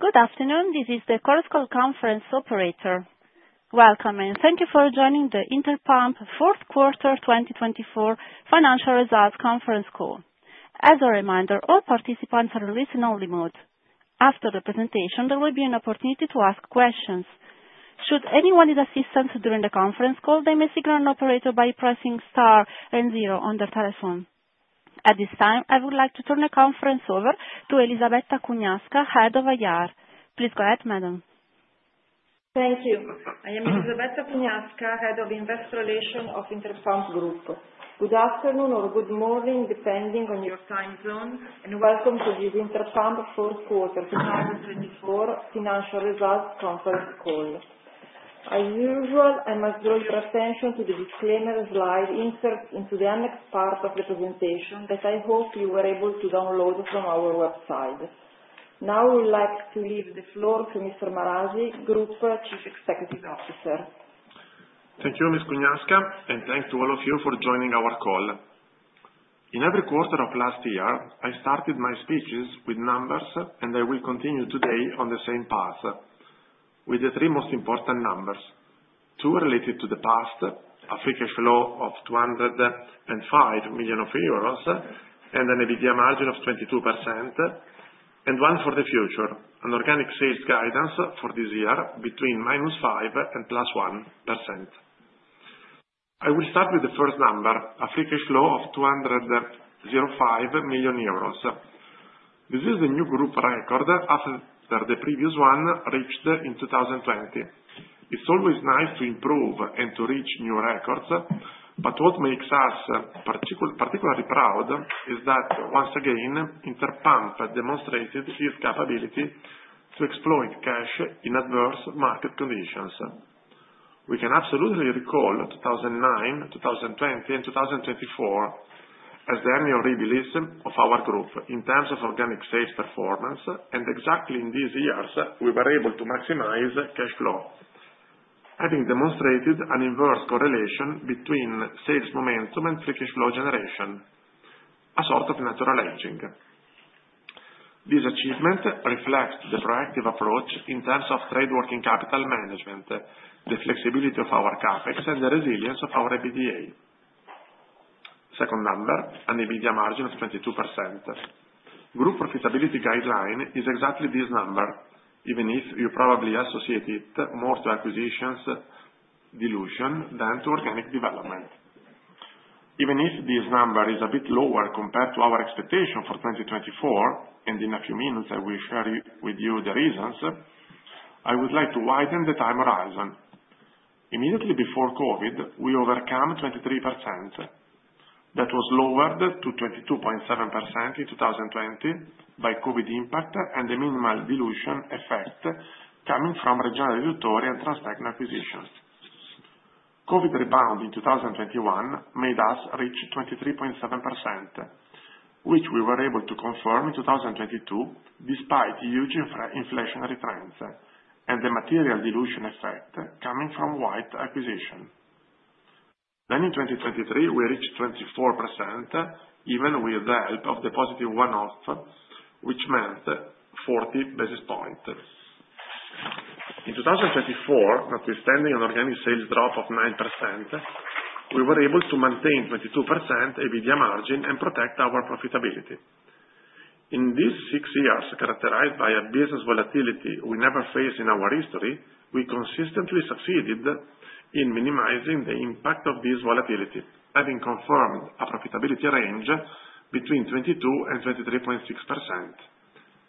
Good afternoon, this is the Chorus Call Conference Operator. Welcome, and thank you for joining the Interpump Fourth Quarter 2024 Financial Results Conference Call. As a reminder, all participants are in listen-only mode. After the presentation, there will be an opportunity to ask questions. Should anyone need assistance during the conference call, they may signal an operator by pressing star and zero on their telephone. At this time, I would like to turn the conference over to Elisabetta Cugnasca, Head of IR. Please go ahead, madam. Thank you. I am Elisabetta Cugnasca, Head of Investor Relations of Interpump Group. Good afternoon or good morning, depending on your time zone, and welcome to this Interpump fourth quarter 2024 financial results conference call. As usual, I must draw your attention to the disclaimer slide inserted into the annex part of the presentation that I hope you were able to download from our website. Now, I would like to leave the floor to Mr. Marasi, Group Chief Executive Officer. Thank you, Ms. Cugnasca, and thanks to all of you for joining our call. In every quarter of last year, I started my speeches with numbers, and I will continue today on the same path with the three most important numbers: two related to the past, a free cash flow of 205 million euros, and an EBITDA margin of 22%, and one for the future, an organic sales guidance for this year between -5% and +1%. I will start with the first number, a free cash flow of 205 million euros. This is the new group record after the previous one reached in 2020. It's always nice to improve and to reach new records, but what makes us particularly proud is that, once again, Interpump demonstrated its capability to exploit cash in adverse market conditions. We can absolutely recall 2009, 2020, and 2024 as the annual anomalies of our group in terms of organic sales performance, and exactly in these years, we were able to maximize cash flow, having demonstrated an inverse correlation between sales momentum and free cash flow generation, a sort of natural hedging. This achievement reflects the proactive approach in terms of trade working capital management, the flexibility of our CapEx, and the resilience of our EBITDA. Second number, an EBITDA margin of 22%. Group profitability guideline is exactly this number, even if you probably associate it more to acquisitions dilution than to organic development. Even if this number is a bit lower compared to our expectation for 2024, and in a few minutes, I will share with you the reasons, I would like to widen the time horizon. Immediately before COVID, we were over 23%. That was lowered to 22.7% in 2020 by COVID impact and the minimal dilution effect coming from Reggiana Riduttori, Transtecno acquisitions. COVID rebound in 2021 made us reach 23.7%, which we were able to confirm in 2022 despite huge inflationary trends and the material dilution effect coming from White acquisition. Then, in 2023, we reached 24% even with the help of the positive one-off, which meant 40 basis points. In 2024, notwithstanding an organic sales drop of 9%, we were able to maintain 22% EBITDA margin and protect our profitability. In these six years, characterized by a business volatility we never faced in our history, we consistently succeeded in minimizing the impact of this volatility, having confirmed a profitability range between 22% and 23.6%,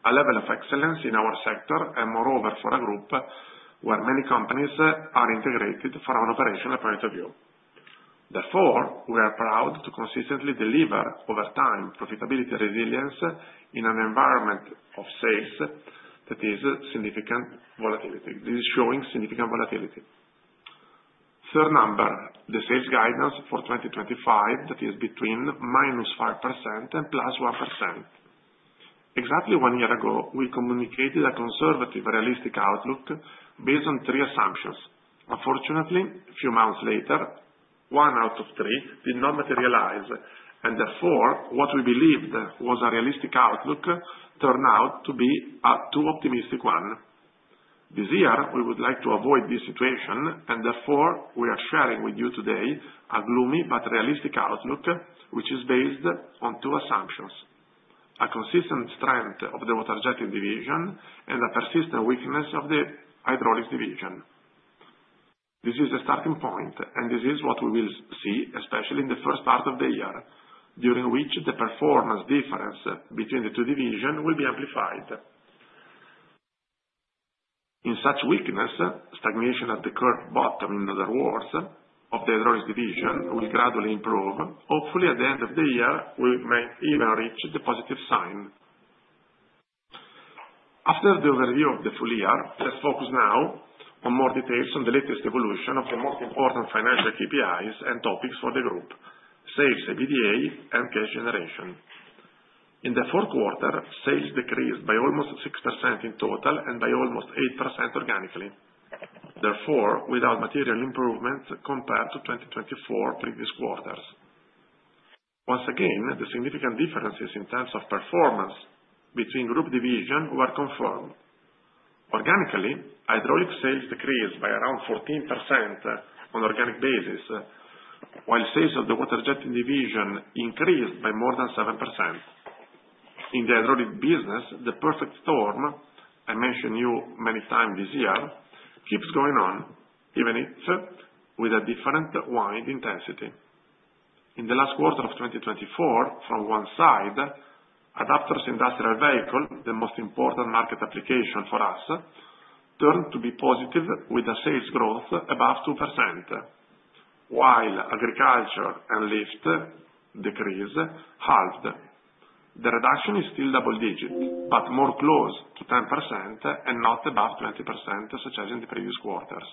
a level of excellence in our sector and, moreover, for a group where many companies are integrated from an operational point of view. Therefore, we are proud to consistently deliver, over time, profitability resilience in an environment of sales that is significant volatility. This is showing significant volatility. Third number, the sales guidance for 2025 that is between -5% and +1%. Exactly one year ago, we communicated a conservative, realistic outlook based on three assumptions. Unfortunately, a few months later, one out of three did not materialize, and therefore, what we believed was a realistic outlook turned out to be a too optimistic one. This year, we would like to avoid this situation, and therefore, we are sharing with you today a gloomy but realistic outlook, which is based on two assumptions: a consistent strength of the Water Jetting division and a persistent weakness of the Hydraulics division. This is a starting point, and this is what we will see, especially in the first part of the year, during which the performance difference between the two divisions will be amplified. In such weakness, stagnation at the curve bottom, in other words, of Hydraulics division will gradually improve. Hopefully, at the end of the year, we may even reach the positive sign. After the overview of the full year, let's focus now on more details on the latest evolution of the most important financial KPIs and topics for the group: sales, EBITDA, and cash generation. In the fourth quarter, sales decreased by almost 6% in total and by almost 8% organically, therefore without material improvements compared to 2024 previous quarters. Once again, the significant differences in terms of performance between group divisions were confirmed. Organically, hydraulic sales decreased by around 14% on an organic basis, while sales of the Water Jetting division increased by more than 7%. In the hydraulic business, the perfect storm I mentioned to you many times this year keeps going on, even if with a different wind intensity. In the last quarter of 2024, from one side, adapters, industrial vehicle, the most important market application for us, turned to be positive with sales growth above 2%, while agriculture and lift decreased halved. The reduction is still double-digit, but more close to 10% and not above 20%, such as in the previous quarters.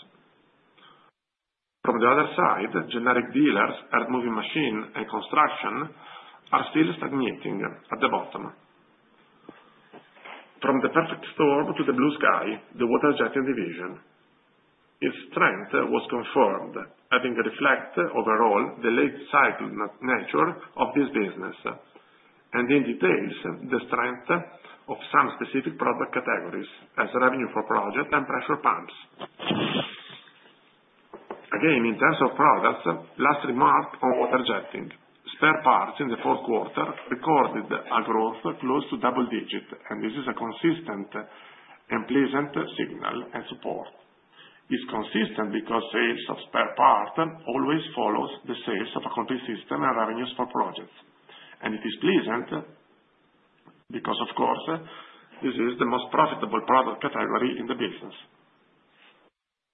From the other side, generic dealers, earth moving machines, and construction are still stagnating at the bottom. From the perfect storm to the blue sky, the Water Jetting division. Its strength was confirmed, having reflected overall the late-cycle nature of this business and, in detail, the strength of some specific product categories as revenue for projects and pressure pumps. Again, in terms of products, last remark on Water Jetting: spare parts in the fourth quarter recorded a growth close to double-digit, and this is a consistent and pleasant signal and support. It's consistent because sales of spare parts always follow the sales of cutting system and revenues for projects, and it is pleasant because, of course, this is the most profitable product category in the business.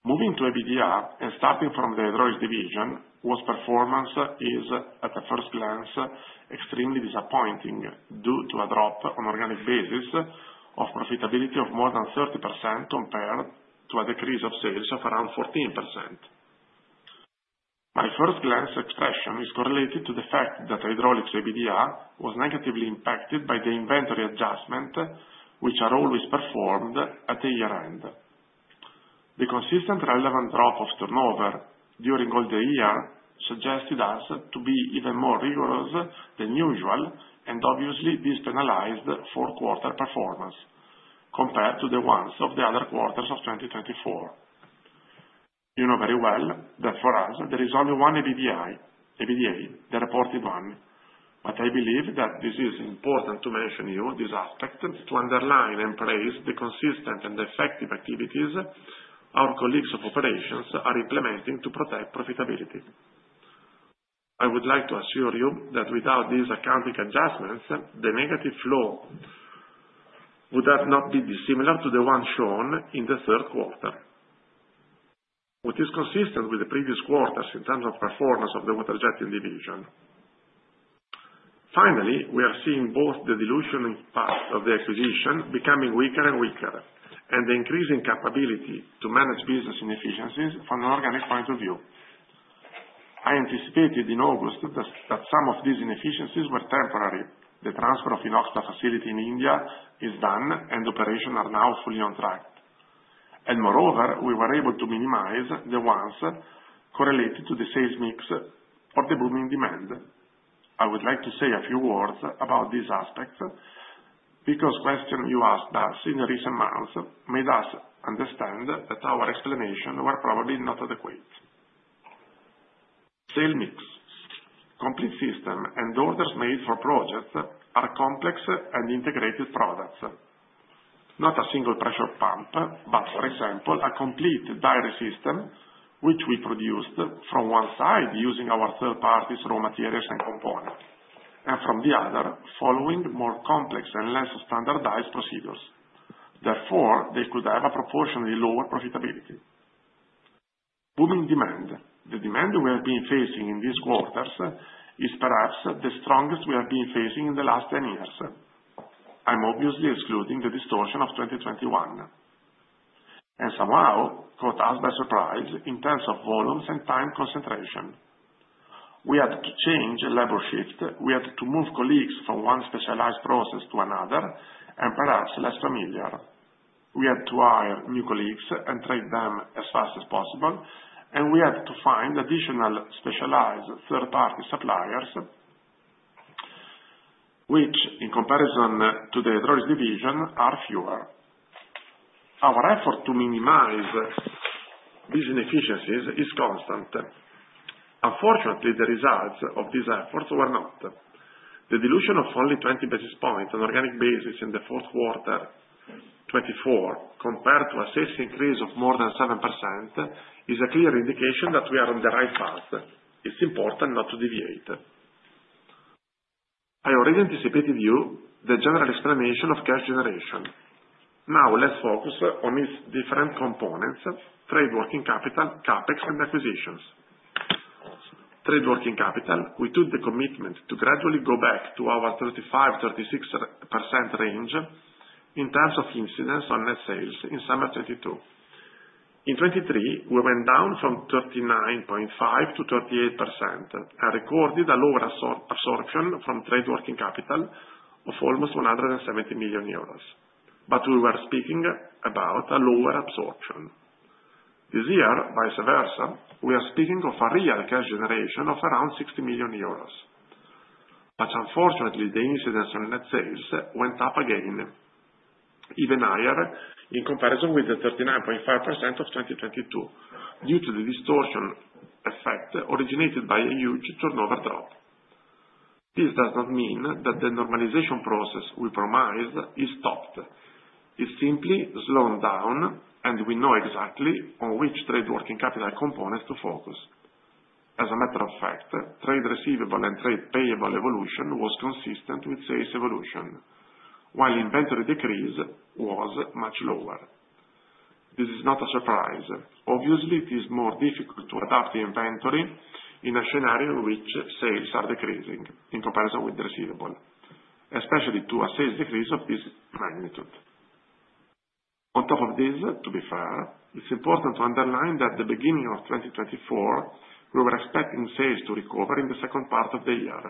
Moving to EBITDA and starting from Hydraulics division, what performance is, at a first glance, extremely disappointing due to a drop on organic basis of profitability of more than 30% compared to a decrease of sales of around 14%. My first glance expression is correlated to the fact that Hydraulics EBITDA was negatively impacted by the inventory adjustment, which are always performed at the year-end. The consistent relevant drop of turnover during all the year suggested us to be even more rigorous than usual and, obviously, this penalized fourth-quarter performance compared to the ones of the other quarters of 2024. You know very well that for us, there is only one EBITDA, the reported one, but I believe that this is important to mention to you, this aspect, to underline and praise the consistent and effective activities our colleagues of operations are implementing to protect profitability. I would like to assure you that without these accounting adjustments, the negative flow would not be dissimilar to the one shown in the third quarter, which is consistent with the previous quarters in terms of performance of the Water Jetting division. Finally, we are seeing both the dilution part of the acquisition becoming weaker and weaker and the increasing capability to manage business inefficiencies from an organic point of view. I anticipated in August that some of these inefficiencies were temporary. The transfer of Inoxpa facility in India is done, and operations are now fully on track. And, moreover, we were able to minimize the ones correlated to the sales mix or the booming demand. I would like to say a few words about this aspect because the question you asked us in the recent months made us understand that our explanations were probably not adequate. Sales mix, complete system, and orders made for projects are complex and integrated products, not a single pressure pump, but, for example, a complete dairy system which we produced from one side using our third-party raw materials and components and from the other following more complex and less standardized procedures. Therefore, they could have a proportionally lower profitability. Booming demand. The demand we have been facing in these quarters is perhaps the strongest we have been facing in the last 10 years. I'm obviously excluding the distortion of 2021 and somehow caught us by surprise in terms of volumes and time concentration. We had to change labor shifts. We had to move colleagues from one specialized process to another and perhaps less familiar. We had to hire new colleagues and train them as fast as possible, and we had to find additional specialized third-party suppliers which, in comparison to Hydraulics division, are fewer. Our effort to minimize these inefficiencies is constant. Unfortunately, the results of these efforts were not. The dilution of only 20 basis points on an organic basis in the fourth quarter 2024, compared to a sales increase of more than 7%, is a clear indication that we are on the right path. It's important not to deviate. I already anticipated you the general explanation of cash generation. Now, let's focus on its different components: trade working capital, CapEx, and acquisitions. Trade working capital, we took the commitment to gradually go back to our 35%-36% range in terms of incidence on net sales in summer 2022. In 2023, we went down from 39.5%-38% and recorded a lower absorption from trade working capital of almost 170 million euros, but we were speaking about a lower absorption. This year, vice versa, we are speaking of a real cash generation of around 60 million euros. But, unfortunately, the incidence on net sales went up again, even higher in comparison with the 39.5% of 2022 due to the distortion effect originated by a huge turnover drop. This does not mean that the normalization process we promised is stopped. It's simply slowed down, and we know exactly on which trade working capital components to focus. As a matter of fact, trade receivable and trade payable evolution was consistent with sales evolution, while inventory decrease was much lower. This is not a surprise. Obviously, it is more difficult to adapt the inventory in a scenario in which sales are decreasing in comparison with receivables, especially to a sales decrease of this magnitude. On top of this, to be fair, it's important to underline that at the beginning of 2024, we were expecting sales to recover in the second part of the year,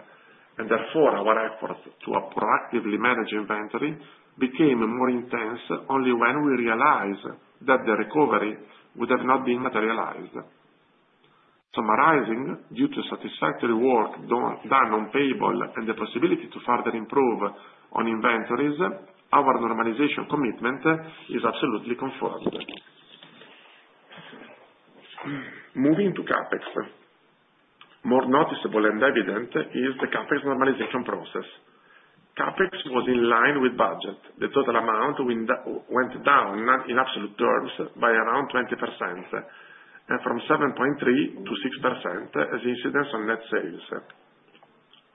and therefore, our effort to proactively manage inventory became more intense only when we realized that the recovery would have not been materialized. Summarizing, due to satisfactory work done on payables and the possibility to further improve on inventories, our normalization commitment is absolutely confirmed. Moving to CapEx, more noticeable and evident is the CapEx normalization process. CapEx was in line with budget. The total amount went down in absolute terms by around 20% and from 7.3%-6% as incidence on net sales.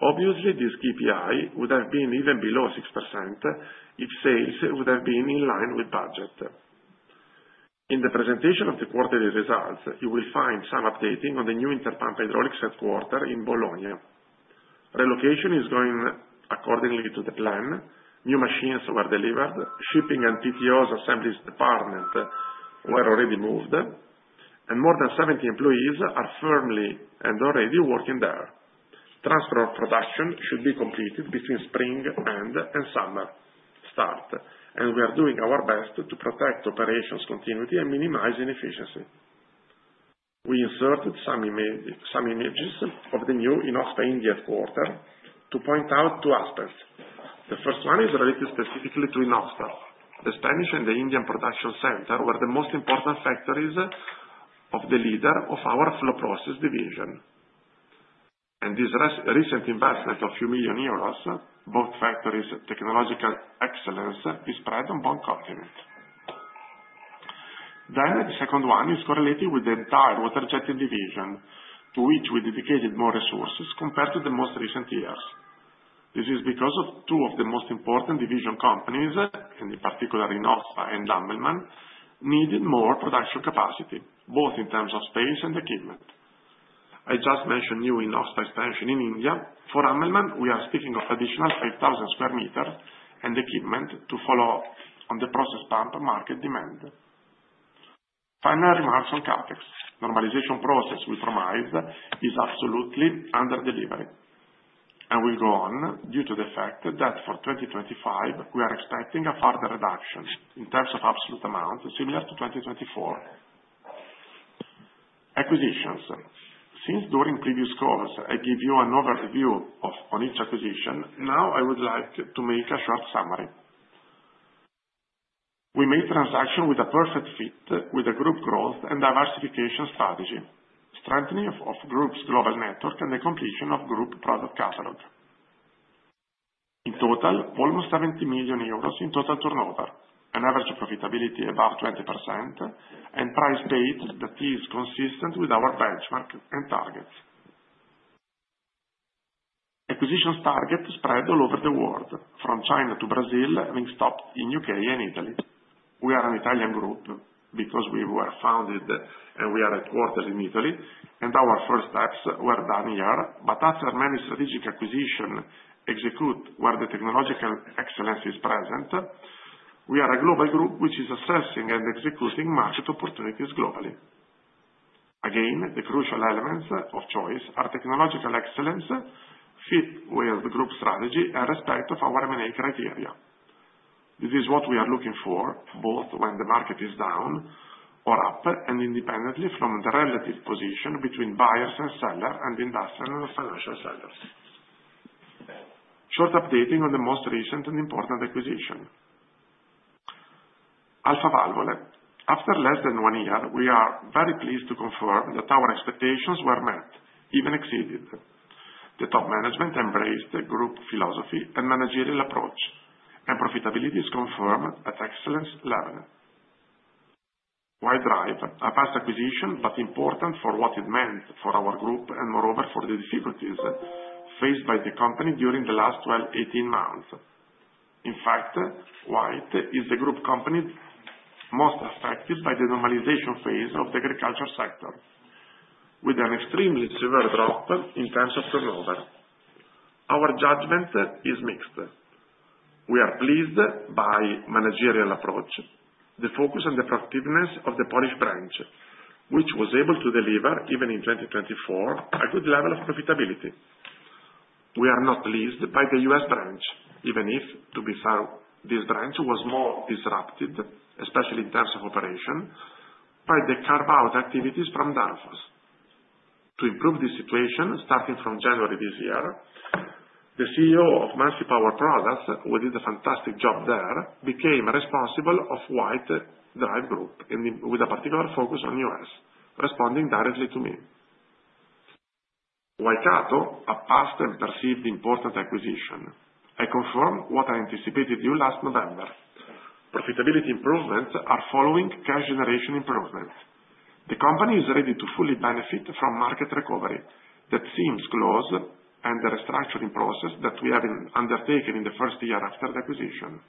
Obviously, this KPI would have been even below 6% if sales would have been in line with budget. In the presentation of the quarterly results, you will find some updating on the new Interpump Hydraulics headquarters in Bologna. Relocation is going according to the plan. New machines were delivered. Shipping and PTOs assembly department were already moved, and more than 70 employees are firmly and already working there. Transfer of production should be completed between spring end and summer start, and we are doing our best to protect operations continuity and minimize inefficiency. We inserted some images of the new Inoxpa India headquarters to point out two aspects. The first one is related specifically to Inoxpa. The Spanish and the Indian production center were the most important factories of the leader of our flow process division, and this recent investment of 2 million euros, both factories' technological excellence, is spread on one continent. Then, the second one is correlated with the entire Water Jetting division, to which we dedicated more resources compared to the most recent years. This is because two of the most important division companies, and in particular, Inoxpa and Hammelmann, needed more production capacity, both in terms of space and equipment. I just mentioned new Inoxpa expansion in India. For Hammelmann, we are speaking of additional 5,000 sq m and equipment to follow on the process pump market demand. Final remarks on CapEx. Normalization process we promised is absolutely under delivery, and we'll go on due to the fact that for 2025, we are expecting a further reduction in terms of absolute amount similar to 2024. Acquisitions. Since during previous calls, I gave you an overview of each acquisition, now I would like to make a short summary. We made transaction with a perfect fit with the group growth and diversification strategy, strengthening of group's global network, and the completion of group product catalog. In total, almost 70 million euros in total turnover, an average profitability above 20%, and price paid that is consistent with our benchmark and targets. Acquisitions target spread all over the world, from China to Brazil, having stopped in the U.K. and Italy. We are an Italian group because we were founded and we are headquartered in Italy, and our first steps were done here, but after many strategic acquisitions executed where the technological excellence is present, we are a global group which is assessing and executing market opportunities globally. Again, the crucial elements of choice are technological excellence fit with the group strategy and respect of our M&A criteria. This is what we are looking for, both when the market is down or up, and independently from the relative position between buyers and sellers and industrial and financial sellers. Short updating on the most recent and important acquisition. Alfa Valvole. After less than one year, we are very pleased to confirm that our expectations were met, even exceeded. The top management embraced the group philosophy and managerial approach, and profitability is confirmed at excellence level. White Drive, a past acquisition but important for what it meant for our group and, moreover, for the difficulties faced by the company during the last 12, 18 months. In fact, White is the group company most affected by the normalization phase of the agriculture sector, with an extremely severe drop in terms of turnover. Our judgment is mixed. We are pleased by the managerial approach, the focus, and the productiveness of the Polish branch, which was able to deliver, even in 2024, a good level of profitability. We are not pleased by the U.S. branch, even if, to be fair, this branch was more disrupted, especially in terms of operation, by the carve-out activities from Danfoss. To improve this situation, starting from January this year, the CEO of Muncie Power Products, who did a fantastic job there, became responsible of White Drive Group with a particular focus on the U.S., responding directly to me. Waikato, a past and perceived important acquisition. I confirm what I anticipated you last November. Profitability improvements are following cash generation improvement. The company is ready to fully benefit from market recovery that seems close and the restructuring process that we have undertaken in the first year after the acquisition.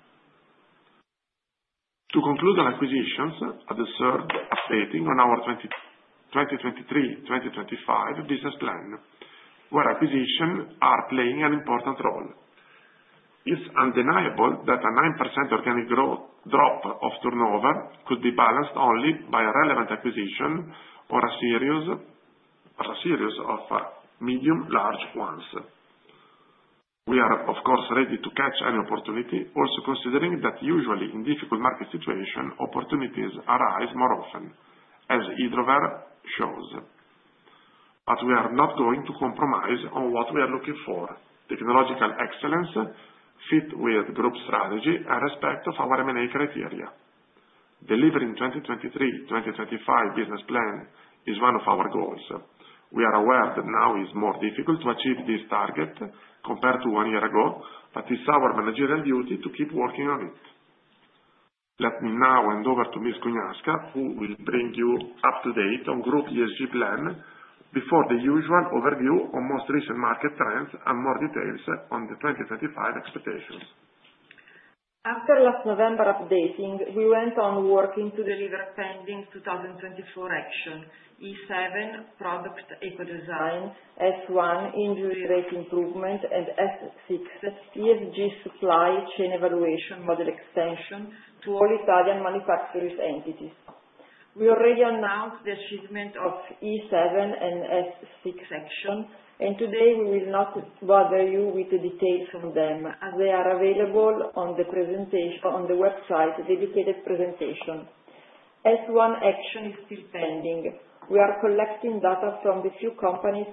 To conclude on acquisitions, I deserve updating on our 2023-2025 business plan, where acquisitions are playing an important role. It's undeniable that a 9% organic drop of turnover could be balanced only by a relevant acquisition or a series of medium-large ones. We are, of course, ready to catch any opportunity, also considering that usually in difficult market situations, opportunities arise more often, as Hydrover shows. But we are not going to compromise on what we are looking for: technological excellence fit with group strategy and respect of our M&A criteria. Delivering the 2023-2025 business plan is one of our goals. We are aware that now it is more difficult to achieve this target compared to one year ago, but it's our managerial duty to keep working on it. Let me now hand over to Ms. Cugnasca, who will bring you up to date on the group ESG plan before the usual overview on most recent market trends and more details on the 2025 expectations. After last November update, we went on working to deliver pending 2024 action: E7, product eco-design, S1, injury rate improvement, and S6, ESG supply chain evaluation model extension to all Italian manufacturers' entities. We already announced the achievement of E7 and S6 action, and today we will not bother you with the details on them as they are available on the website dedicated presentation. S1 action is still pending. We are collecting data from the few companies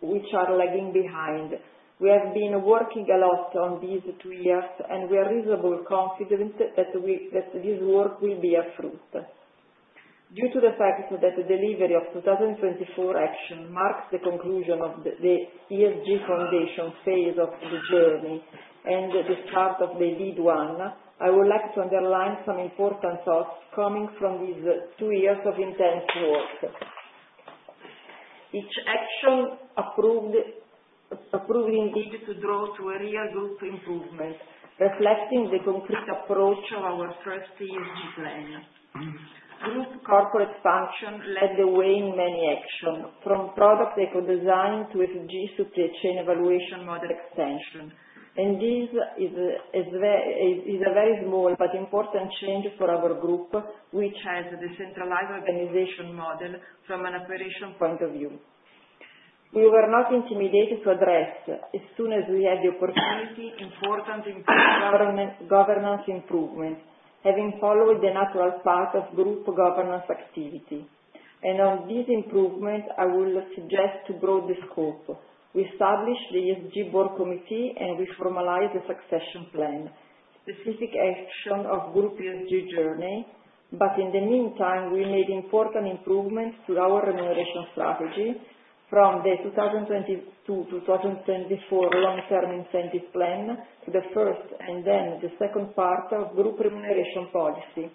which are lagging behind. We have been working a lot over these two years, and we are reasonably confident that this work will bear fruit. Due to the fact that the delivery of the 2024 action marks the conclusion of the ESG Foundation phase of the journey and the start of the lead one, I would like to underline some important thoughts coming from these two years of intense work. Each action approved indeed to draw to a real group improvement, reflecting the concrete approach of our first ESG plan. Group corporate function led the way in many actions, from product eco-design to ESG supply chain evaluation model extension, and this is a very small but important change for our group, which has a decentralized organization model from an operation point of view. We were not intimidated to address, as soon as we had the opportunity, important governance improvements, having followed the natural path of group governance activity and on this improvement, I will suggest to broaden the scope. We established the ESG board committee, and we formalized the succession plan, specific action of group ESG journey, but in the meantime, we made important improvements to our remuneration strategy from the 2022-2024 long-term incentive plan to the first and then the second part of group remuneration policy.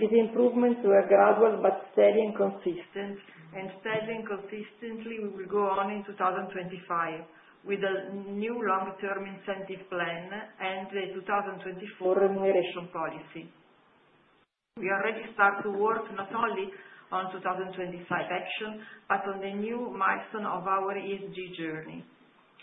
These improvements were gradual but steady and consistent, and steady and consistently we will go on in 2025 with a new long-term incentive plan and the 2024 remuneration policy. We already started to work not only on 2025 action but on the new milestone of our ESG journey.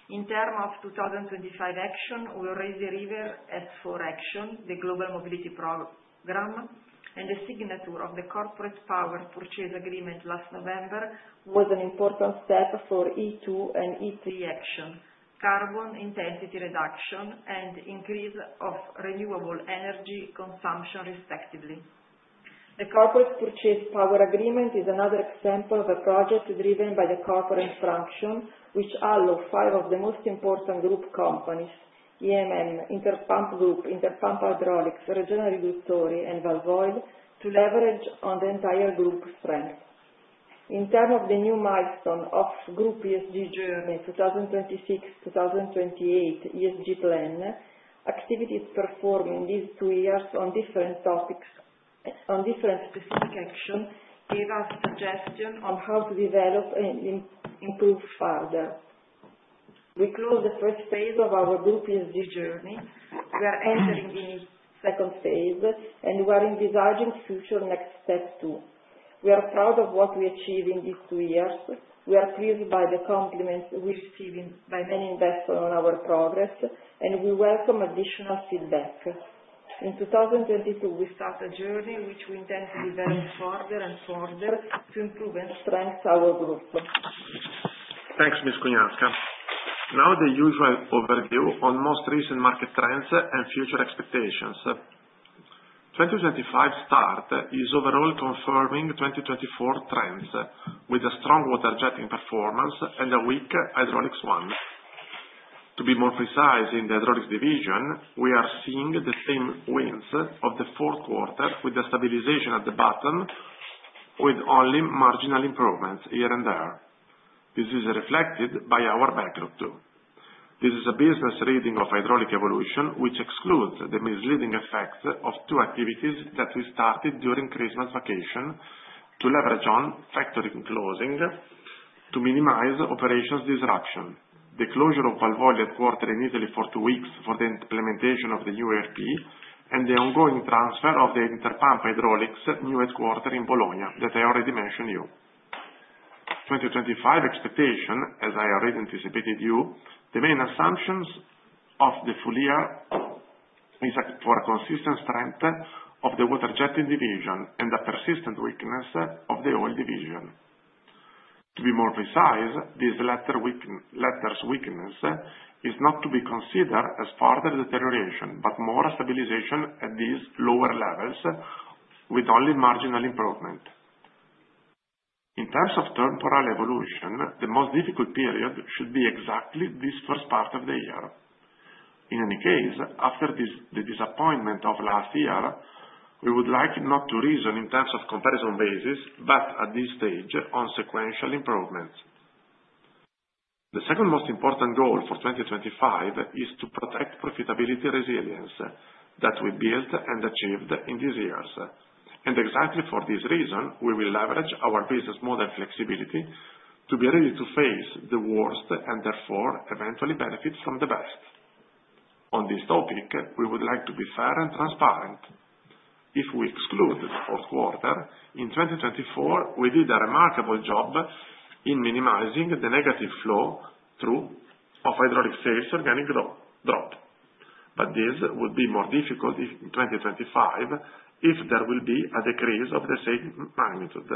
In terms of 2025 action, we already delivered S4 action, the global mobility program, and the signature of the corporate power purchase agreement last November was an important step for E2 and E3 action, carbon intensity reduction and increase of renewable energy consumption, respectively. The corporate power purchase agreement is another example of a project driven by the corporate function, which allows five of the most important group companies: I.M.M., Interpump Group, Interpump Hydraulics, Reggiana Riduttori, and Walvoil to leverage on the entire group strength. In terms of the new milestone of Group ESG journey, 2026-2028 ESG plan, activities performed in these two years on different topics, on different specific actions, gave us suggestions on how to develop and improve further. We closed the first phase of our Group ESG journey. We are entering the second phase, and we are envisaging future next steps too. We are proud of what we achieved in these two years. We are pleased by the compliments we received by many investors on our progress, and we welcome additional feedback. In 2022, we started a journey which we intend to develop further and further to improve and strengthen our Group. Thanks, Ms. Cugnasca. Now, the usual overview on most recent market trends and future expectations. 2025 start is overall confirming 2024 trends with a strong Water Jetting performance and a weak Hydraulics one. To be more precise in Hydraulics division, we are seeing the same wins of the fourth quarter with the stabilization at the bottom, with only marginal improvements here and there. This is reflected by our backlog too. This is a business reading of Hydraulics evolution, which excludes the misleading effects of two activities that we started during Christmas vacation to leverage on factory closing to minimize operations disruption: the closure of Walvoil headquarters in Italy for two weeks for the implementation of the new ERP and the ongoing transfer of the Interpump Hydraulics new headquarters in Bologna that I already mentioned to you. 2025 expectation, as I already anticipated you, the main assumptions of the full year is for consistent strength of the Water Jetting division and a persistent weakness of the Oil division. To be more precise, these letters' weakness is not to be considered as further deterioration but more stabilization at these lower levels with only marginal improvement. In terms of temporal evolution, the most difficult period should be exactly this first part of the year. In any case, after the disappointment of last year, we would like not to reason in terms of comparison basis, but at this stage on sequential improvements. The second most important goal for 2025 is to protect profitability resilience that we built and achieved in these years. And exactly for this reason, we will leverage our business model flexibility to be ready to face the worst and therefore eventually benefit from the best. On this topic, we would like to be fair and transparent. If we exclude the fourth quarter, in 2024, we did a remarkable job in minimizing the negative flow through of hydraulic sales organic drop. But this would be more difficult in 2025 if there will be a decrease of the same magnitude.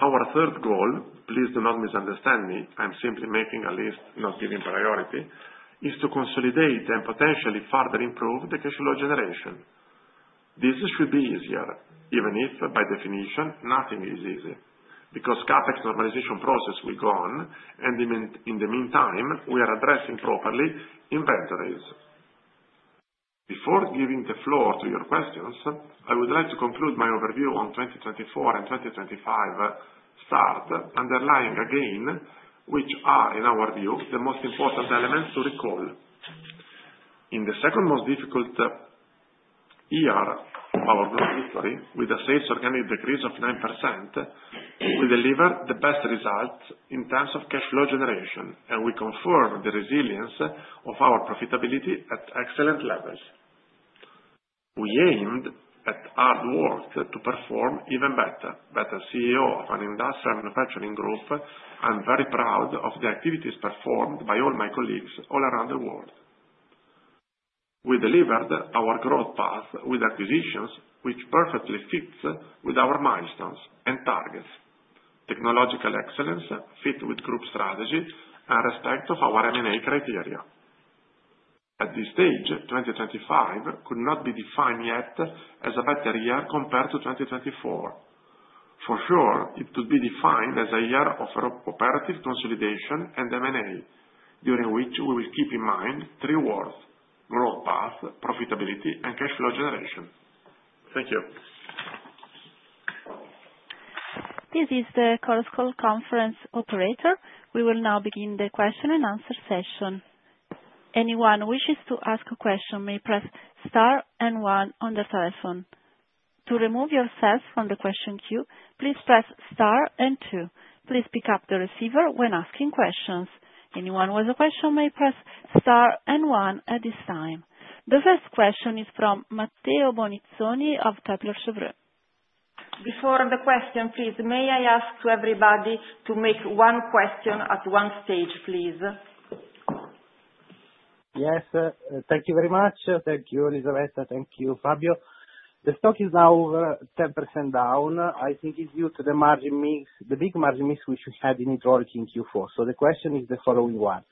Our third goal, please do not misunderstand me, I'm simply making a list, not giving priority, is to consolidate and potentially further improve the cash flow generation. This should be easier, even if by definition, nothing is easy, because CapEx normalization process will go on, and in the meantime, we are addressing properly inventories. Before giving the floor to your questions, I would like to conclude my overview on 2024 and 2025 start, underlining again which are, in our view, the most important elements to recall. In the second most difficult year of our global history, with an organic sales decrease of 9%, we delivered the best results in terms of cash flow generation, and we confirmed the resilience of our profitability at excellent levels. We aimed at hard work to perform even better. But as CEO of an industrial manufacturing group, I'm very proud of the activities performed by all my colleagues all around the world. We delivered our growth path with acquisitions which perfectly fit with our milestones and targets, technological excellence fit with group strategy, and respect of our M&A criteria. At this stage, 2025 could not be defined yet as a better year compared to 2024. For sure, it could be defined as a year of operative consolidation and M&A, during which we will keep in mind three words: growth path, profitability, and cash flow generation. Thank you. This is the Chorus Call conference operator. We will now begin the question and answer session. Anyone wishing to ask a question may press star and one on the telephone. To remove yourself from the question queue, please press star and two. Please pick up the receiver when asking questions. Anyone with a question may press star and one at this time. The first question is from Matteo Bonizzoni of Kepler Cheuvreux. Before the question, please, may I ask everybody to make one question at one stage, please? Yes, thank you very much. Thank you, Elisabetta. Thank you, Fabio. The stock is now 10% down. I think it's due to the margin mix, the big margin mix which we had in hydraulic in Q4. So the question is the following one.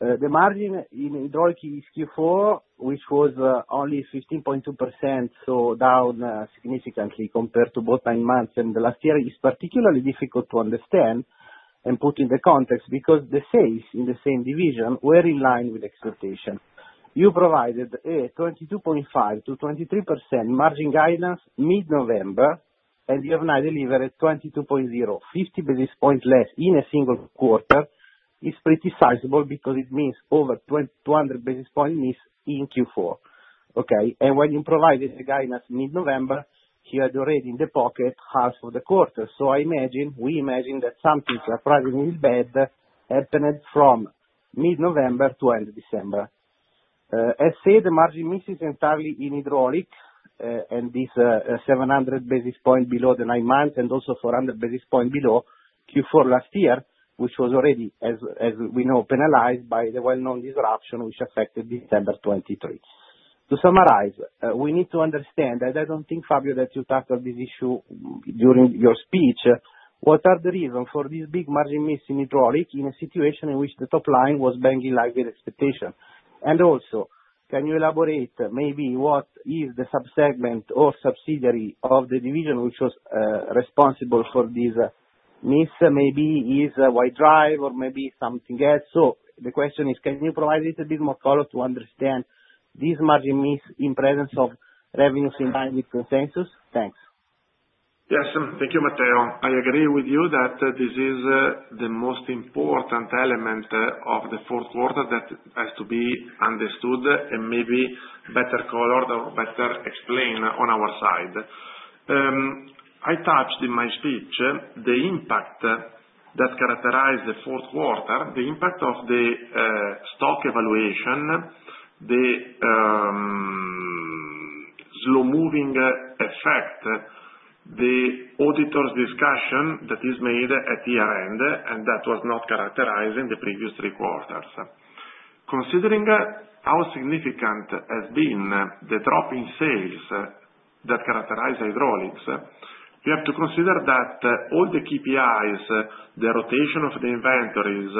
The margin in Hydraulics is Q4, which was only 15.2%, so down significantly compared to both nine months and the last year, is particularly difficult to understand and put in the context because the sales in the same division were in line with expectations. You provided a 22.5%-23% margin guidance mid-November, and you have now delivered 22.0%, 50 basis points less in a single quarter. It's pretty sizable because it means over 200 basis points in Q4. Okay. And when you provided the guidance mid-November, you had already in the pocket half of the quarter. So I imagine, we imagine that something surprisingly bad happened from mid-November to end of December. As said, the margin mix is entirely in Hydraulics, and this is 700 basis points below the nine months and also 400 basis points below Q4 last year, which was already, as we know, penalized by the well-known disruption which affected December 2023. To summarize, we need to understand, and I don't think, Fabio, that you tackled this issue during your speech. What are the reasons for this big margin mix in Hydraulics in a situation in which the top line was in line with expectations? And also, can you elaborate maybe what is the subsegment or subsidiary of the division which was responsible for this miss? Maybe it's White Drive or maybe something else. So the question is, can you provide a little bit more color to understand this margin mix in the presence of revenues in line with consensus? Thanks. Yes, thank you, Matteo. I agree with you that this is the most important element of the fourth quarter that has to be understood and maybe better colored or better explained on our side. I touched in my speech the impact that characterized the fourth quarter, the impact of the stock evaluation, the slow-moving effect, the auditor's discussion that is made at year-end, and that was not characterized in the previous three quarters. Considering how significant has been the drop in sales that characterized Hydraulics, we have to consider that all the KPIs, the rotation of the inventories,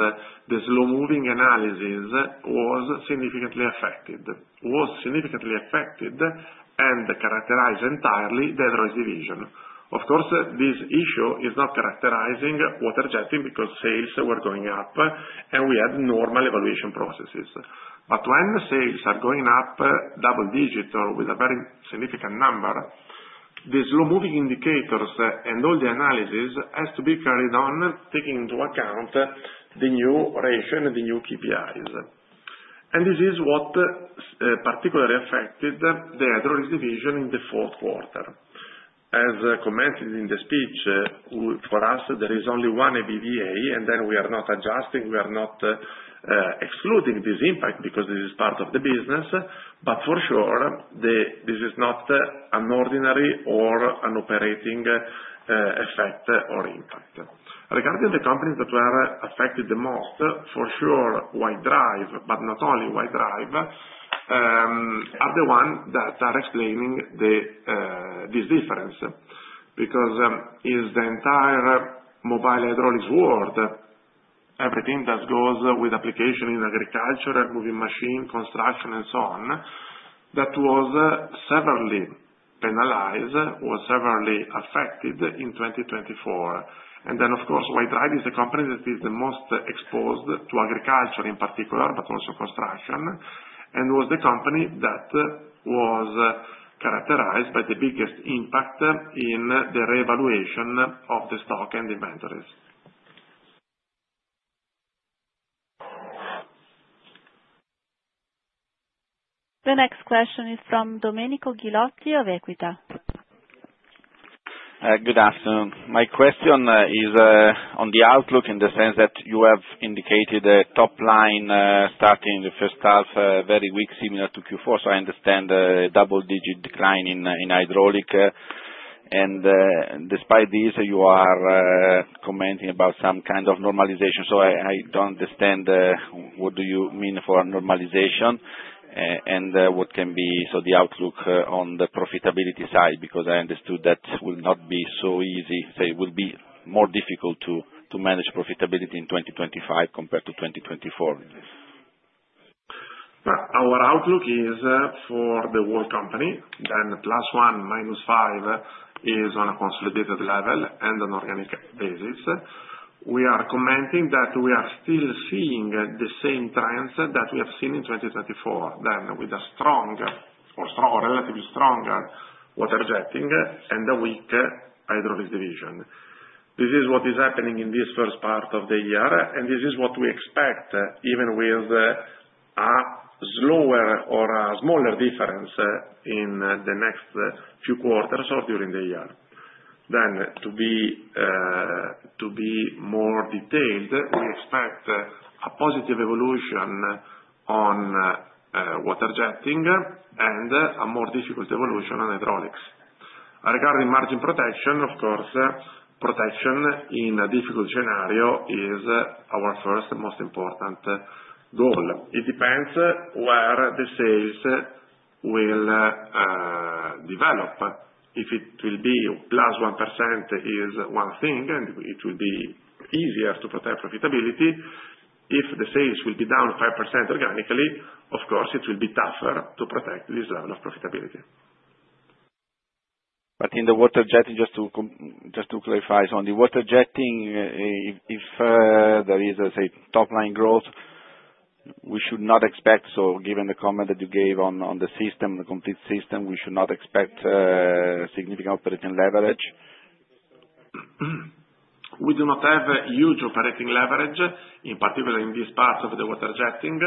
the slow-moving analysis was significantly affected, was significantly affected, and characterized entirely the hydraulic division. Of course, this issue is not characterizing Water-Jetting because sales were going up, and we had normal evaluation processes. But when sales are going up double-digit or with a very significant number, the slow-moving indicators and all the analysis has to be carried on taking into account the new ratio and the new KPIs. And this is what particularly affected the hydraulic division in the fourth quarter. As commented in the speech, for us, there is only one EBITDA, and then we are not adjusting, we are not excluding this impact because this is part of the business. But for sure, this is not an ordinary or an operating effect or impact. Regarding the companies that were affected the most, for sure, White Drive, but not only White Drive, are the ones that are explaining this difference because it's the entire Mobile Hydraulics world, everything that goes with application in agriculture, moving machine, construction, and so on, that was severely penalized, was severely affected in 2024. And then, of course, White Drive is the company that is the most exposed to agriculture in particular, but also construction, and was the company that was characterized by the biggest impact in the re-evaluation of the stock and inventories. The next question is from Domenico Ghilotti of Equita. Good afternoon. My question is on the outlook in the sense that you have indicated a top line starting the first half very weak, similar to Q4. So I understand a double-digit decline in Hydraulics. And despite this, you are commenting about some kind of normalization. So I don't understand what do you mean for normalization and what can be the outlook on the profitability side because I understood that will not be so easy. So it will be more difficult to manage profitability in 2025 compared to 2024. Our outlook is for the whole company. Then +1%, -5% is on a consolidated level and on organic basis. We are commenting that we are still seeing the same trends that we have seen in 2024, then with a strong or relatively stronger Water Jetting and a weak hydraulic division. This is what is happening in this first part of the year, and this is what we expect even with a slower or a smaller difference in the next few quarters or during the year. Then to be more detailed, we expect a positive evolution on Water Jetting and a more difficult evolution on Hydraulics. Regarding margin protection, of course, protection in a difficult scenario is our first most important goal. It depends where the sales will develop. If it will be +1% is one thing, and it will be easier to protect profitability. If the sales will be down 5% organically, of course, it will be tougher to protect this level of profitability. But in the Water Jetting, just to clarify on the Water Jetting, if there is, let's say, top line growth, we should not expect, so given the comment that you gave on the system, the complete system, we should not expect significant operating leverage. We do not have huge operating leverage, in particular in this part of the Water Jetting.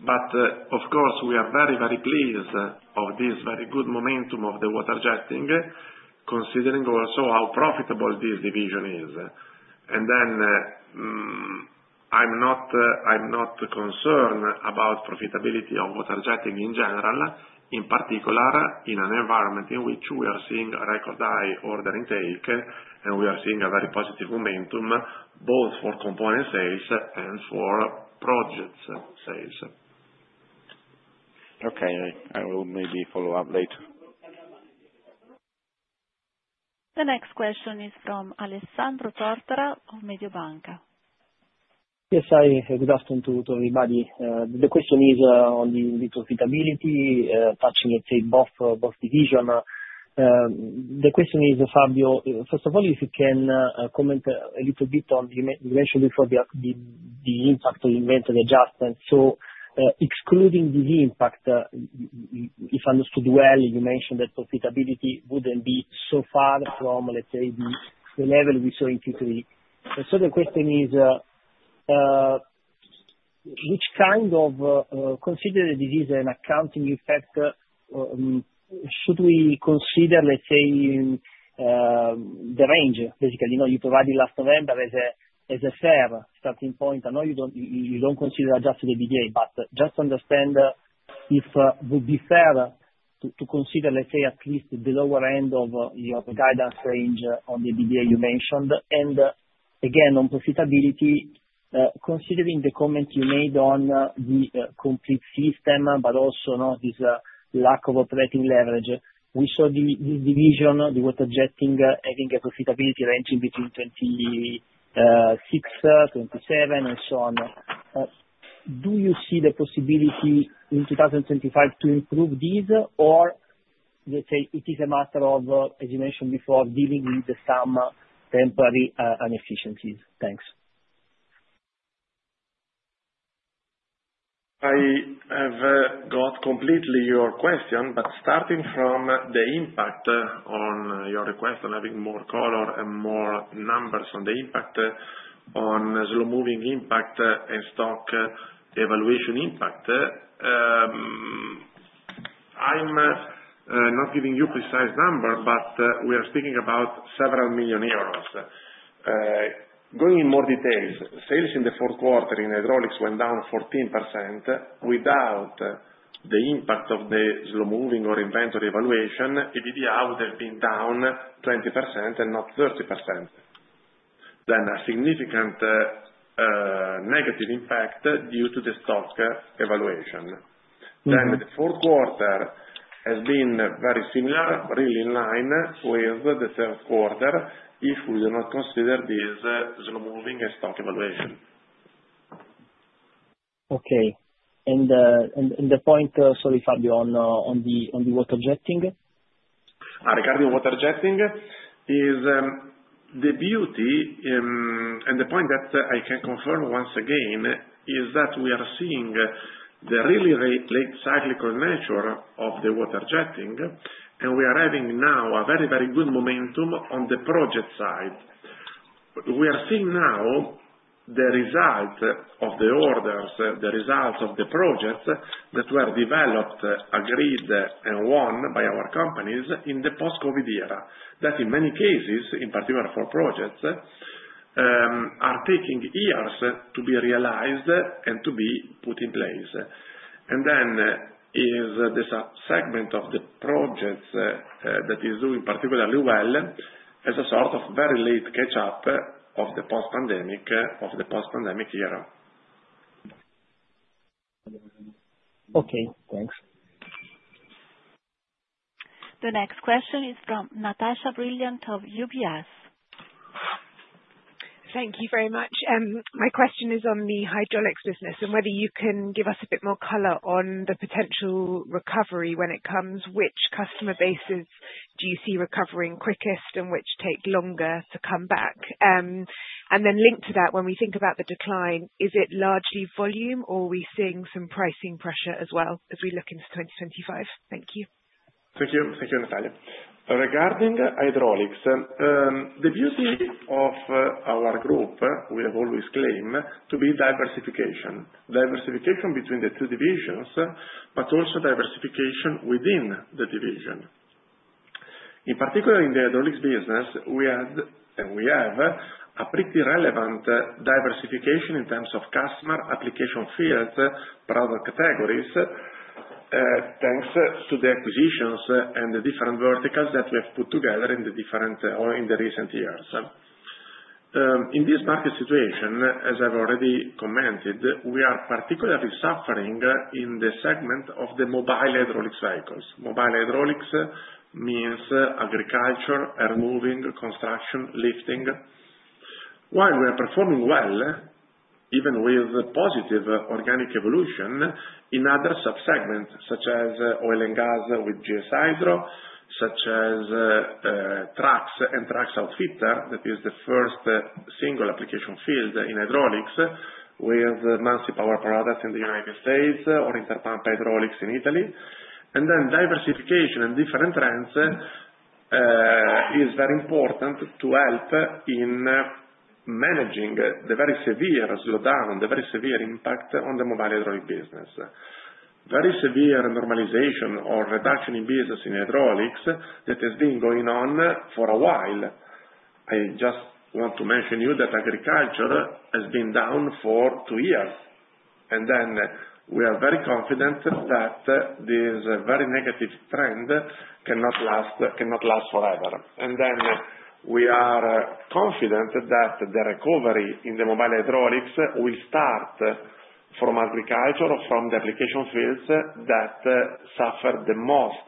But of course, we are very, very pleased of this very good momentum of the Water Jetting, considering also how profitable this division is. And then I'm not concerned about profitability of Water Jetting in general, in particular in an environment in which we are seeing record high order intake, and we are seeing a very positive momentum both for component sales and for project sales. Okay. I will maybe follow up later. The next question is from Alessandro Tortora of Mediobanca. Yes, hi. Good afternoon to everybody. The question is on the profitability, touching, let's say, both divisions. The question is, Fabio, first of all, if you can comment a little bit on you mentioned before the impact of inventory adjustment. So excluding the impact, if understood well, you mentioned that profitability wouldn't be so far from, let's say, the level we saw in Q3. And so the question is, which kind of consider this as an accounting effect? Should we consider, let's say, the range? Basically, you provided last November as a fair starting point. I know you don't consider adjusted EBITDA, but just to understand if it would be fair to consider, let's say, at least the lower end of your guidance range on the EBITDA you mentioned. Again, on profitability, considering the comment you made on the complete system, but also this lack of operating leverage, we saw this division, the Water Jetting, having a profitability range in between 26%, 27%, and so on. Do you see the possibility in 2025 to improve these, or let's say it is a matter of, as you mentioned before, dealing with some temporary inefficiencies? Thanks. I have got completely your question, but starting from the impact on your request on having more color and more numbers on the impact on slow-moving inventory impact and inventory evaluation impact, I'm not giving you precise numbers, but we are speaking about several million euros. Going in more detail, sales in the fourth quarter in Hydraulics went down 14%. Without the impact of the slow-moving inventory or inventory evaluation, EBITDA would have been down 20% and not 30%. was a significant negative impact due to the stock valuation. The fourth quarter has been very similar, really in line with the third quarter if we do not consider this slow-moving stock valuation. Okay. And the point, sorry, Fabio, on the Water Jetting? Regarding Water Jetting, the beauty and the point that I can confirm once again is that we are seeing the really cyclical nature of the Water Jetting, and we are having now a very, very good momentum on the project side. We are seeing now the result of the orders, the results of the projects that were developed, agreed, and won by our companies in the post-COVID era that in many cases, in particular for projects, are taking years to be realized and to be put in place. Then is the subsegment of the projects that is doing particularly well as a sort of very late catch-up of the post-pandemic era. Okay. Thanks. The next question is from Natasha Brilliant of UBS. Thank you very much. My question is on the Hydraulics business and whether you can give us a bit more color on the potential recovery when it comes to which customer bases do you see recovering quickest and which take longer to come back. And then linked to that, when we think about the decline, is it largely volume or are we seeing some pricing pressure as well as we look into 2025? Thank you. Thank you. Thank you, Natasha. Regarding Hydraulics, the beauty of our group, we have always claimed, to be diversification. Diversification between the two divisions, but also diversification within the division. In particular, in the Hydraulics business, we have a pretty relevant diversification in terms of customer application fields, product categories, thanks to the acquisitions and the different verticals that we have put together in the recent years. In this market situation, as I've already commented, we are particularly suffering in the segment of the Mobile Hydraulics cylinders. Mobile Hydraulics means agriculture, earthmoving, construction, lifting. While we are performing well, even with positive organic evolution in other subsegments such as oil and gas with GS-Hydro, such as trucks and truck outfitters, that is the first single application field in Hydraulics with Muncie Power Products in the United States or Interpump Hydraulics in Italy, and then diversification and different trends is very important to help in managing the very severe slowdown, the very severe impact on the Mobile Hydraulic business. Very severe normalization or reduction in business in Hydraulics that has been going on for a while. I just want to mention to you that agriculture has been down for two years. And then we are very confident that this very negative trend cannot last forever. And then we are confident that the recovery in the Mobile Hydraulics will start from agriculture, from the application fields that suffered the most,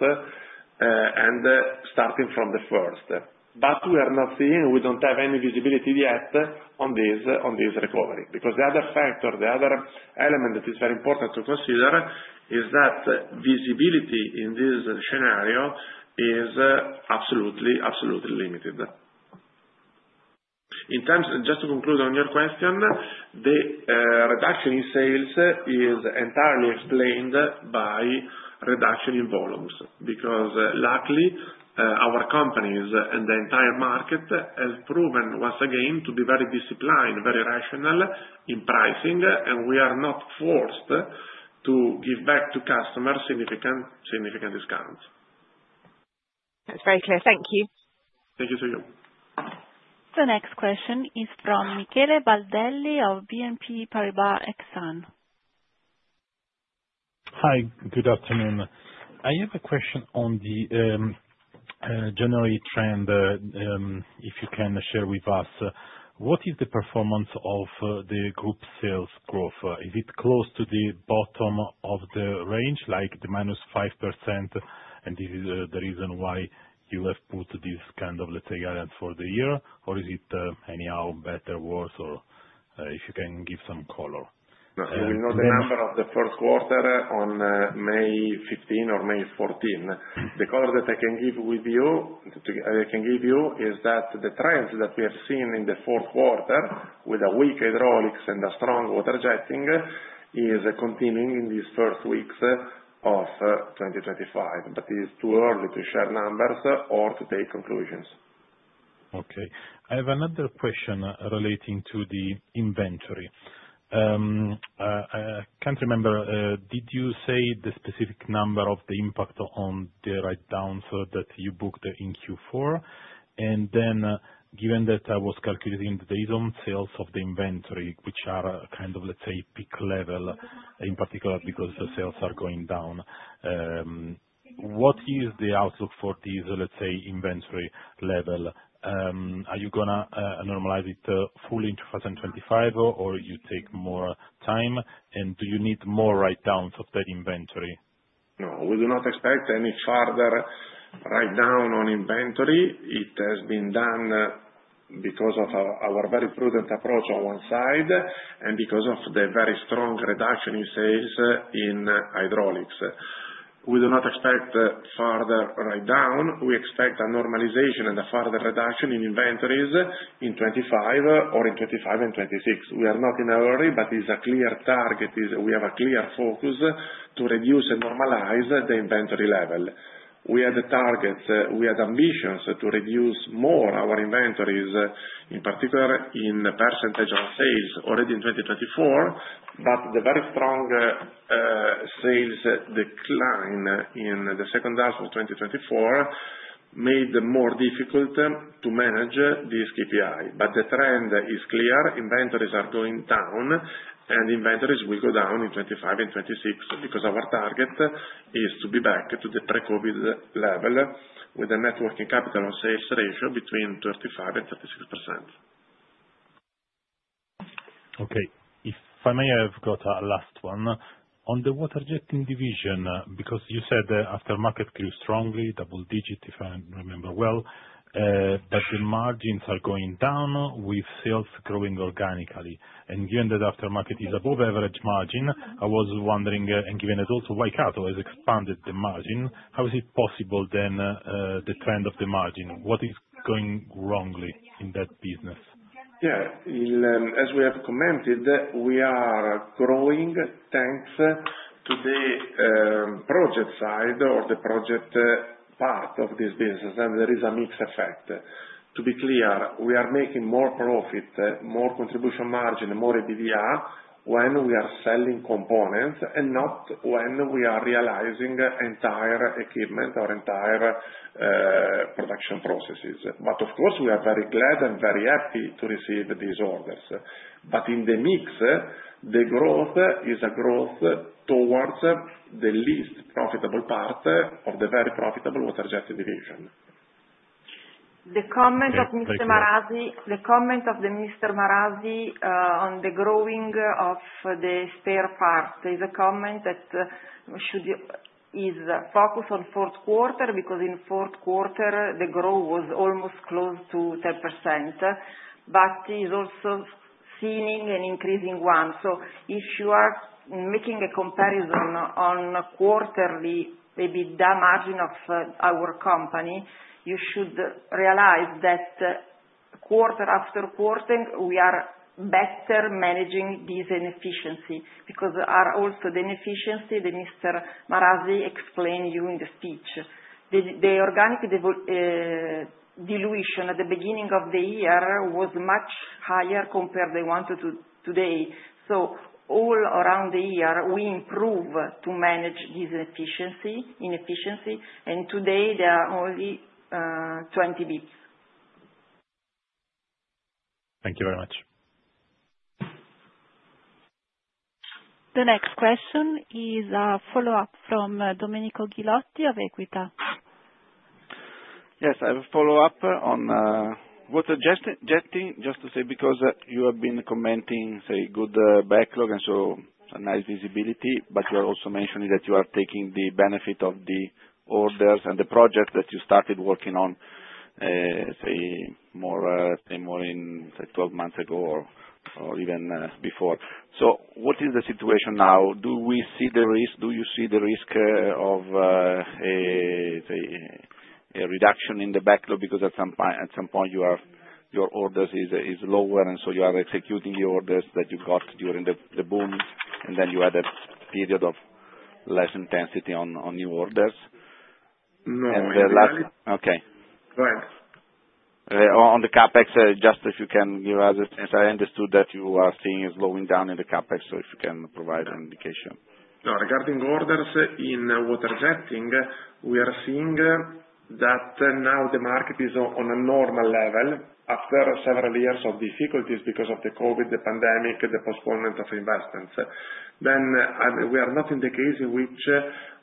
and starting from the first. But we are not seeing, we don't have any visibility yet on this recovery because the other factor, the other element that is very important to consider is that visibility in this scenario is absolutely, absolutely limited. Just to conclude on your question, the reduction in sales is entirely explained by reduction in volumes because luckily our companies and the entire market have proven once again to be very disciplined, very rational in pricing, and we are not forced to give back to customers significant discounts. That's very clear. Thank you. Thank you to you. The next question is from Michele Baldelli of BNP Paribas Exane. Hi. Good afternoon. I have a question on the general trend, if you can share with us. What is the performance of the group sales growth? Is it close to the bottom of the range, like the -5%, and this is the reason why you have put this kind of, let's say, guidance for the year, or is it anyhow better, worse, or if you can give some color? We know the number of the fourth quarter on May 15 or May 14. The color that I can give with you, that I can give you, is that the trends that we have seen in the fourth quarter with the weak Hydraulics and the strong Water Jetting is continuing in these first weeks of 2025, but it is too early to share numbers or to take conclusions. Okay. I have another question relating to the inventory. I can't remember. Did you say the specific number of the impact on the write-downs that you booked in Q4? And then given that I was calculating the days-on sales of the inventory, which are kind of, let's say, peak level in particular because the sales are going down, what is the outlook for these, let's say, inventory level? Are you going to normalize it fully in 2025, or you take more time, and do you need more write-downs of that inventory? No, we do not expect any further write-down on inventory. It has been done because of our very prudent approach on one side and because of the very strong reduction in sales in Hydraulics. We do not expect further write-down. We expect a normalization and a further reduction in inventories in 2025 or in 2025 and 2026. We are not in a hurry, but it's a clear target. We have a clear focus to reduce and normalize the inventory level. We had targets. We had ambitions to reduce more our inventories, in particular in percentage of sales already in 2024, but the very strong sales decline in the second half of 2024 made it more difficult to manage this KPI. But the trend is clear. Inventories are going down, and inventories will go down in 2025 and 2026 because our target is to be back to the pre-COVID level with a net working capital to sales ratio between 35% and 36%. Okay. If I may have one last one. On the Water Jetting division, because you said aftermarket grew strongly, double-digit if I remember well, that the margins are going down with sales growing organically. And given that aftermarket is above average margin, I was wondering, and given that also Waikato has expanded the margin, how is it possible then the trend of the margin? What is going wrong in that business? Yeah. As we have commented, we are growing thanks to the project side or the project part of this business. There is a mix effect. To be clear, we are making more profit, more contribution margin, more EBITDA when we are selling components and not when we are realizing entire equipment or entire production processes. Of course, we are very glad and very happy to receive these orders. In the mix, the growth is a growth towards the least profitable part of the very profitable Water Jetting division. The comment of Mr. Marasi, the comment of Mr. Marasi on the growing of the spare part is a comment that should be focused on fourth quarter because in fourth quarter, the growth was almost close to 10%, but is also seeing an increase in one. If you are making a comparison on quarterly, maybe the margin of our company, you should realize that quarter after quarter, we are better managing this inefficiency because also the inefficiency that Mr. Marasi explained to you in the speech, the organic dilution at the beginning of the year was much higher compared to today. So all around the year, we improve to manage this inefficiency, and today there are only 20 basis points. Thank you very much. The next question is a follow-up from Domenico Ghilotti of Equita. Yes. I have a follow-up on Water Jetting, just to say because you have been commenting, say, good backlog and so a nice visibility, but you are also mentioning that you are taking the benefit of the orders and the project that you started working on, say, more in 12 months ago or even before. So what is the situation now? Do we see the risk? Do you see the risk of a reduction in the backlog because at some point your orders is lower and so you are executing the orders that you got during the boom and then you had a period of less intensity on new orders? No. And the last. Okay. Go ahead. On the CapEx, just if you can give us a sense. I understood that you are seeing it's going down in the CapEx, so if you can provide an indication. No. Regarding orders in Water Jetting, we are seeing that now the market is on a normal level after several years of difficulties because of the COVID, the pandemic, the postponement of investments. Then we are not in the case in which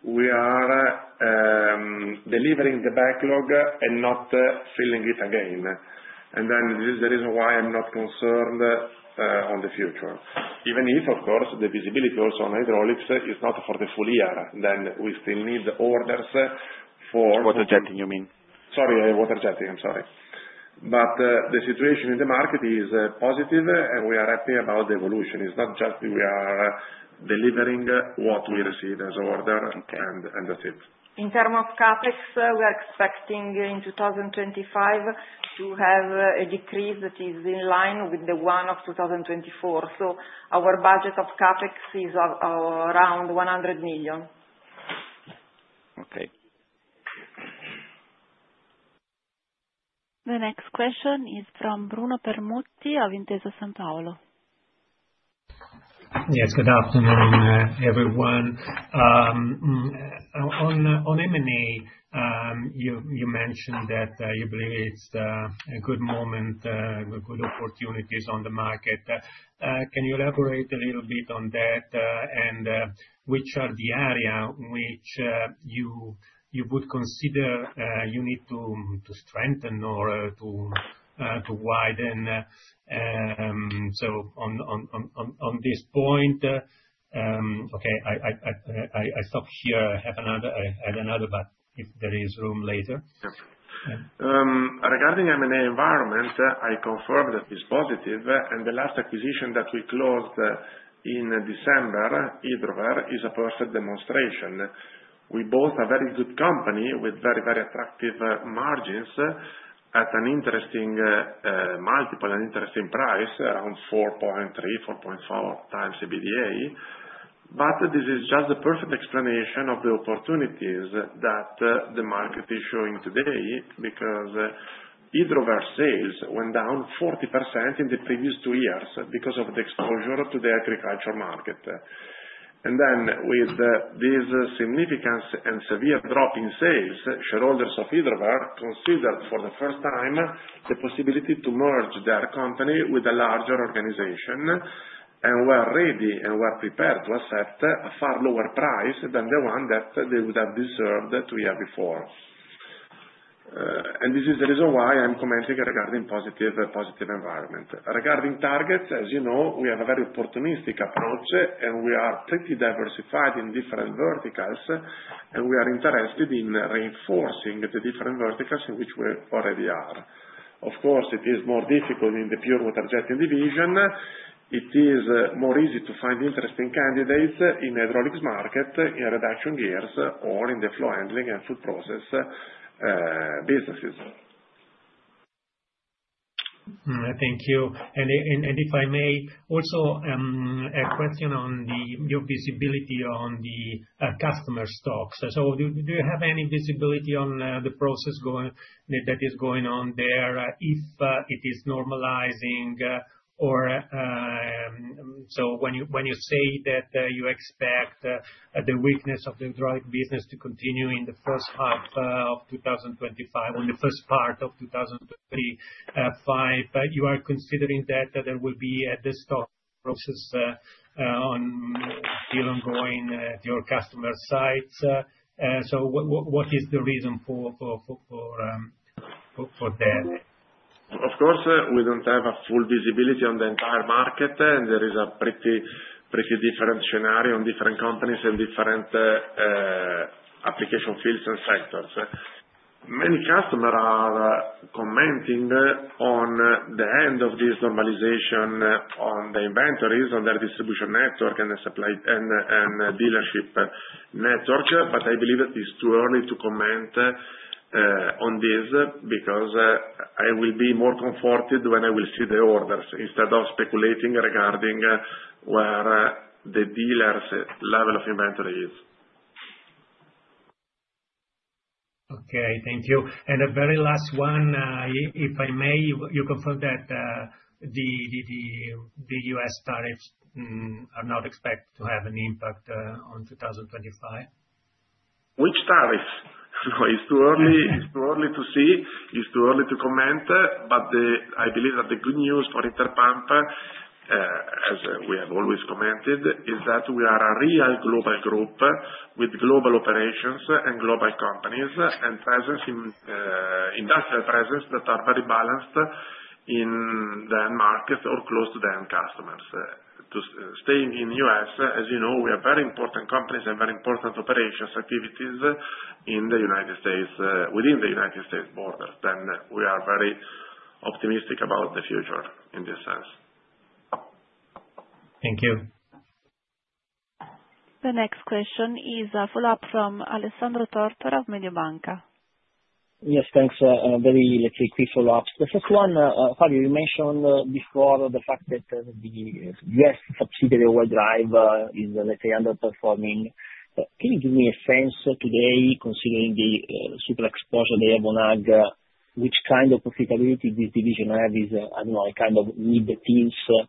we are delivering the backlog and not filling it again. And then this is the reason why I'm not concerned on the future. Even if, of course, the visibility also on Hydraulics is not for the full year, then we still need orders for. Water Jetting, you mean? Sorry, Water Jetting. I'm sorry. But the situation in the market is positive, and we are happy about the evolution. It's not just we are delivering what we receive as order, and that's it. In terms of CapEx, we are expecting in 2025 to have a decrease that is in line with the one of 2024. So our budget of CapEx is around 100 million. Okay. The next question is from Bruno Permutti of Intesa Sanpaolo. Yes. Good afternoon, everyone. On M&A, you mentioned that you believe it's a good moment, good opportunities on the market. Can you elaborate a little bit on that and which are the areas which you would consider you need to strengthen or to widen? So on this point, okay, I stop here. I have another but if there is room later. Regarding M&A environment, I confirm that it's positive, and the last acquisition that we closed in December, Hydrover, is a perfect demonstration. It is a very good company with very, very attractive margins at an interesting multiple and interesting price around 4.3-4.4 times EBITDA. But this is just a perfect explanation of the opportunities that the market is showing today because Hydrover's sales went down 40% in the previous two years because of the exposure to the agriculture market. And then with this significant and severe drop in sales, shareholders of Hydrover considered for the first time the possibility to merge their company with a larger organization and were ready and were prepared to accept a far lower price than the one that they would have deserved two years before. And this is the reason why I'm commenting regarding positive environment. Regarding targets, as you know, we have a very opportunistic approach, and we are pretty diversified in different verticals, and we are interested in reinforcing the different verticals in which we already are. Of course, it is more difficult in the pure Water Jetting division. It is more easy to find interesting candidates in Hydraulics market, in reduction gears, or in the flow handling and food process businesses. Thank you. And if I may, also a question on your visibility on the customer stocks. So do you have any visibility on the process that is going on there if it is normalizing? So when you say that you expect the weakness of the Hydraulic business to continue in the first half of 2025, in the first part of 2025, you are considering that there will be a destocking process still ongoing at your customer sites. So what is the reason for that? Of course, we don't have full visibility on the entire market, and there is a pretty different scenario on different companies and different application fields and sectors. Many customers are commenting on the end of this normalization on the inventories, on their distribution network, and dealership network, but I believe that it's too early to comment on this because I will be more comforted when I will see the orders instead of speculating regarding where the dealer's level of inventory is. Okay. Thank you. And a very last one, if I may. You confirm that the U.S. tariffs are not expected to have an impact on 2025? Which tariffs? It's too early to see. It's too early to comment, but I believe that the good news for Interpump, as we have always commented, is that we are a real global group with global operations and global companies and industrial presence that are very balanced in their market or close to their customers. Staying in the U.S., as you know, we have very important companies and very important operations activities within the United States borders. Then we are very optimistic about the future in this sense. Thank you. The next question is a follow-up from Alessandro Tortora of Mediobanca. Yes. Thanks. Very quick follow-ups. The first one, Fabio, you mentioned before the fact that the U.S. subsidiary White Drive is, let's say, underperforming. Can you give me a sense today, considering the super exposure they have on Ag, which kind of profitability this division has? I don't know, kind of mid-teens? So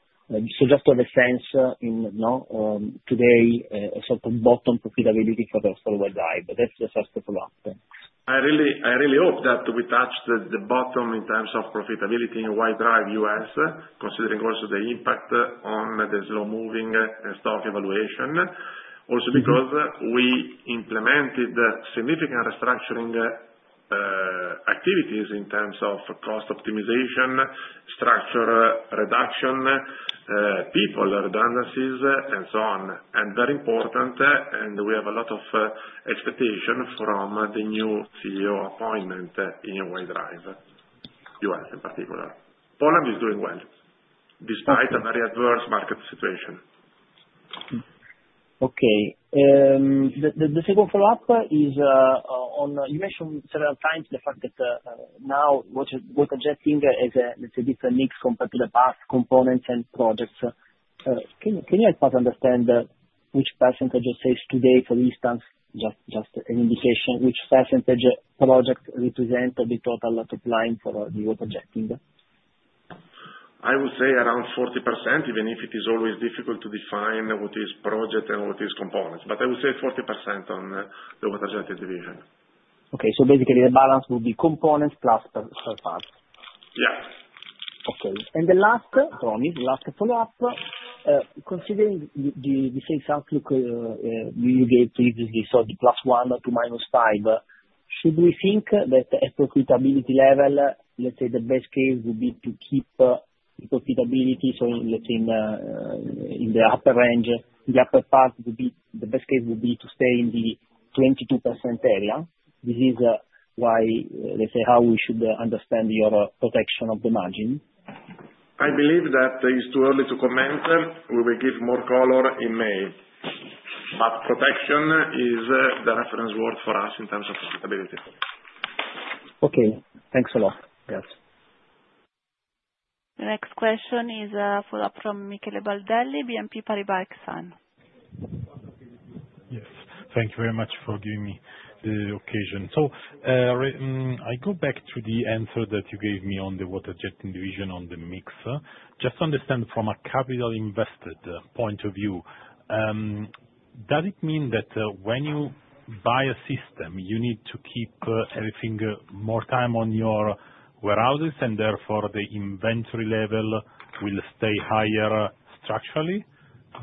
just to have a sense today, a sort of bottom profitability for the White Drive. That's the first follow-up. I really hope that we touched the bottom in terms of profitability in White Drive U.S., considering also the impact on the slow-moving inventory valuation, also because we implemented significant restructuring activities in terms of cost optimization, structure reduction, people redundancies, and so on. And very important, and we have a lot of expectations from the new CEO appointment in White Drive, U.S. in particular. Poland is doing well despite a very adverse market situation. Okay. The second follow-up is on, you mentioned several times the fact that now Water Jetting has a different mix compared to the past components and projects. Can you help us understand which percentage of sales today, for instance, just an indication, which percentage project represents the total supply for the Water Jetting? I would say around 40%, even if it is always difficult to define what is project and what is components. But I would say 40% on the Water Jetting division. Okay. So basically, the balance would be components plus third parts. Yeah. Okay. And the last, promise, last follow-up, considering the sales outlook you gave previously, so the +1% to -5%, should we think that a profitability level, let's say the best case, would be to keep the profitability, so let's say in the upper range, the upper part, the best case would be to stay in the 22% area? This is why, let's say, how we should understand your protection of the margin. I believe that it's too early to comment. We will give more color in May. But protection is the reference word for us in terms of profitability. Okay. Thanks a lot. Yes. The next question is a follow-up from Michele Baldelli, BNP Paribas Exane. Yes. Thank you very much for giving me the occasion. So I go back to the answer that you gave me on the Water Jetting division on the mix. Just to understand from a capital-invested point of view, does it mean that when you buy a system, you need to keep everything more time on your warehouses, and therefore the inventory level will stay higher structurally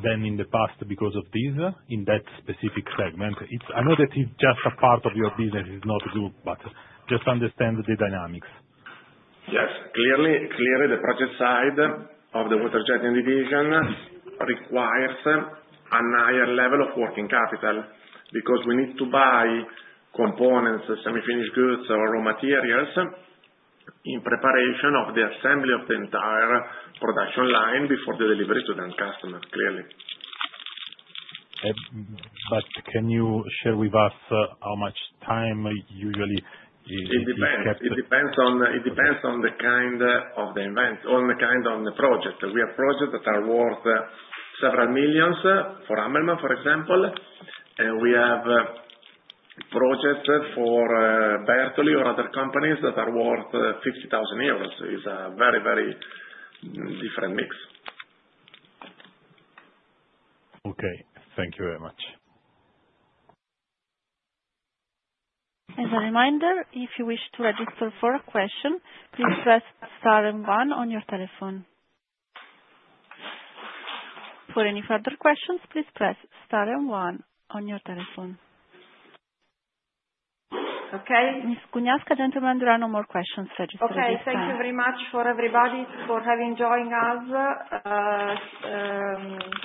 than in the past because of this in that specific segment? I know that it's just a part of your business. It's not a group, but just to understand the dynamics. Yes. Clearly, the project side of the Water Jetting division requires a higher level of working capital because we need to buy components, semi-finished goods, or raw materials in preparation of the assembly of the entire production line before the delivery to the end customer, clearly. But can you share with us how much time usually is captured? It depends on the kind of the inventory or on the kind of the project. We have projects that are worth several millions for Hammelmann, for example, and we have projects for Bertoli or other companies that are worth 50,000 euros. It's a very, very different mix. Okay. Thank you very much. As a reminder, if you wish to register for a question, please press star and one on your telephone. For any further questions, please press star and one on your telephone. Okay. Ms. Cugnasca, gentlemen, there are no more questions registered. Okay. Thank you very much for everybody for having joined us.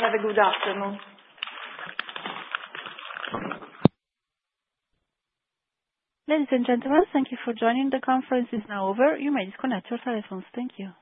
Have a good afternoon. Ladies and gentlemen, thank you for joining. The conference is now over. You may disconnect your telephones. Thank you.